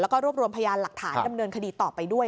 แล้วก็รวบรวมพยานหลักฐานดำเนินคดีต่อไปด้วย